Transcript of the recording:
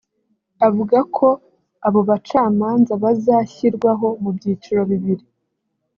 Avuga ko abo bacamanza bazashyirwaho mu byiciro bibiri